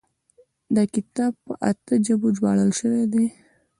دا کتاب په اتیا ژبو ژباړل شوی دی.